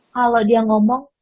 kalau dia ngomong